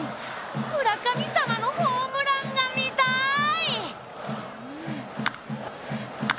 村神様のホームランが見たい！